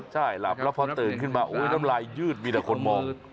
ใช่หลับแล้วพอตื่นขึ้นมาโอ้ยน้ำลายยืดมีแต่คนมอง